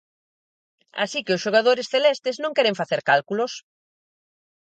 Así que os xogadores celestes non queren facer cálculos.